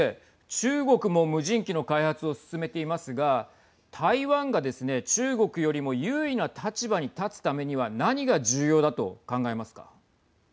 中国も無人機の開発を進めていますが台湾がですね、中国よりも優位な立場に立つためには何が重要だと考えますか。